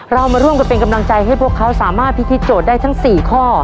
เรามาร่วมกันเป็นกำลังใจให้พวกเขาสามารถพิธีโจทย์ได้ทั้ง๔ข้อ